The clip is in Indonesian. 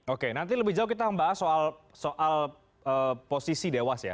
oke nanti lebih jauh kita membahas soal posisi dewas ya